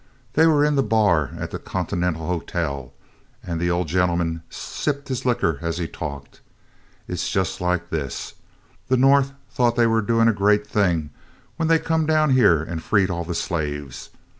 They were in the bar of the Continental Hotel, and the old gentleman sipped his liquor as he talked. "It 's just like this: The North thought they were doing a great thing when they come down here and freed all the slaves.